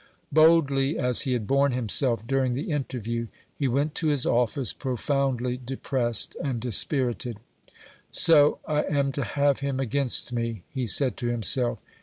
Boldly as he had borne himself during the interview, he went to his office profoundly depressed and dispirited. "So I am to have him against me?" he said to himself.